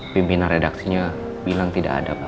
pimpinan redaksinya bilang tidak ada pak